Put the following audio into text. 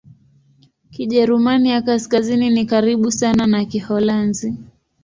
Kijerumani ya Kaskazini ni karibu sana na Kiholanzi.